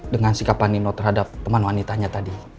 dengan sikap pak nino terhadap teman wanitanya tadi